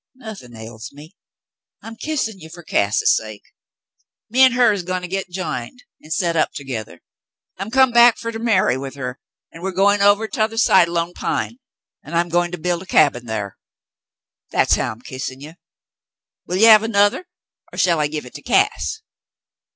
"Nothin' ails me. I'm kissin' you fer Cass's sake. Me an' her's goin' to get jined an' set up togethah. I'm come back fer to marry with her, and we're goin' ovah t'othah side Lone Pine, an' I'm goin' to build a cabin thar. That's how I'm kissin' you. Will you have anothah, or shall I give hit to Cass